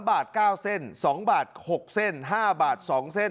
บาท๙เส้น๒บาท๖เส้น๕บาท๒เส้น